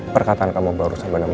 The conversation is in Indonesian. perkataan kamu baru saja menerima aku